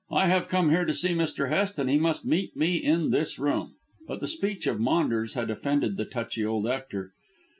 "I have come here to see Mr. Hest, and he must meet me in this room." But the speech of Maunders had offended the touchy old actor.